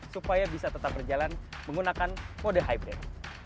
serta berjalan menggunakan mode hybrid